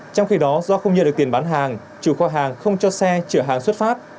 trong khi đó do không nhận được tiền bán hàng chủ kho hàng không cho xe chở hàng xuất phát